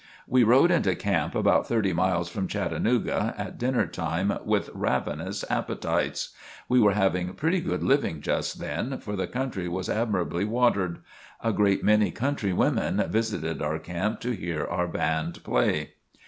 We rode into camp, about thirty miles from Chattanooga, at dinner time with ravenous appetites. We were having pretty good living just then, for the country was admirably watered. A great many country women visited our camp to hear our band play.